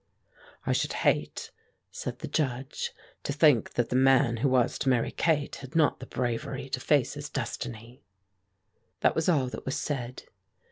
"I should hate," said the Judge, "to think that the man who was to marry Kate had not the bravery to face his destiny." That was all that was said.